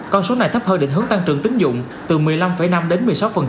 con số này thấp hơn định hướng tăng trưởng tính dụng từ một mươi năm năm đến một mươi sáu